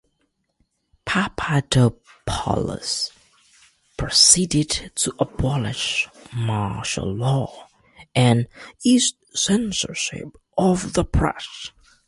Papadopoulos proceeded to abolish martial law, and eased censorship of the press.